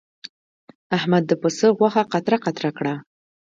احمد د پسه غوښه قطره قطره کړه.